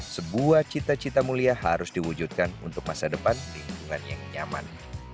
sebuah cita cita mulia harus diwujudkan untuk masa depan lingkungan yang nyaman